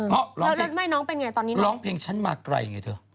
แล้วแม่น้องเป็นยังไงตอนนี้น้องร้องเพลงฉันมาไกลไงเถอะ